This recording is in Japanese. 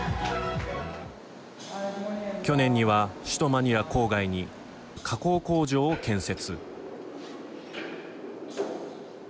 去年には首都マニラ郊外に加工工場を建設。